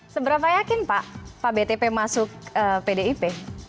seberapa yakin pak pak btp masuk pdip